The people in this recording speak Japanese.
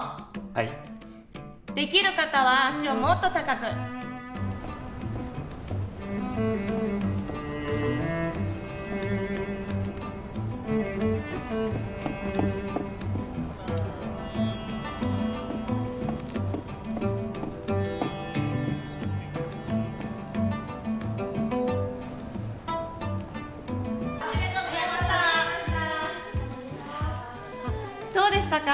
はいできる方は足をもっと高くありがとうございましたどうでしたか？